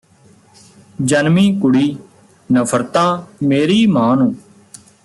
ਜਨਮੀਂ ਕੁੜੀ ਨਫ਼ਰਤਾਂ ਮੇਰੀ ਮਾਂ ਨੂੰ